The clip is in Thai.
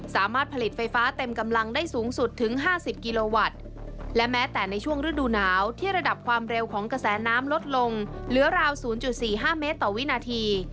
สามารถผลิตไฟฟ้าเต็มกำลังได้สูงสุดถึง๕๐กิโลวัตต์